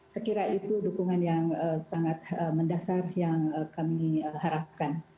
sekiranya itu dukungan yang sangat mendasar yang kami harapkan